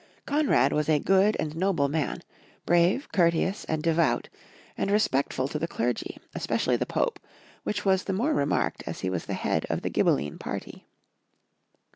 Konrad was a good and noble man, brave, courteous, and devout, and respectful to the clergy, especially the Pope, which was the more re marked as he was the head of the Ghibelline party.